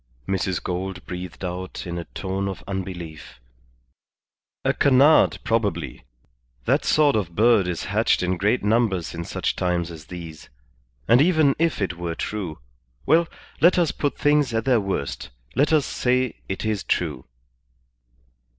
Mrs. Gould breathed out in a tone of unbelief. "A canard, probably. That sort of bird is hatched in great numbers in such times as these. And even if it were true? Well, let us put things at their worst, let us say it is true."